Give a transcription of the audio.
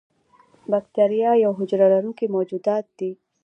بکتیریا یوه حجره لرونکي موجودات دي.